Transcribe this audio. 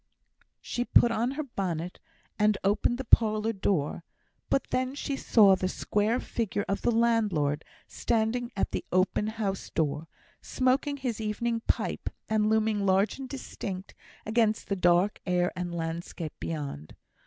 She put on her bonnet, and opened the parlour door; but then she saw the square figure of the landlord standing at the open house door, smoking his evening pipe, and looming large and distinct against the dark air and landscape beyond.